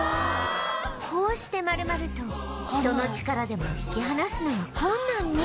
こうして丸まると人の力でも引き離すのは困難に